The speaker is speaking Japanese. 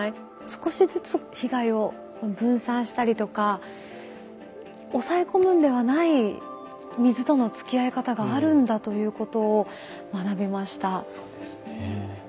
少しずつ被害を分散したりとか抑え込むんではない水とのつきあい方があるんだということを学びました。